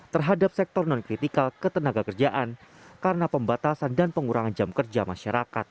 terhadap sektor non kritikal ketenagakerjaan karena pembatasan dan pengurangan jam kerjaan